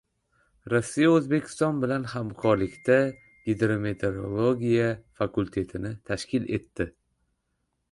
Rossiya O‘zbekiston bilan hamkorlikda Gidrometeorologiya fakultetini tashkil etdi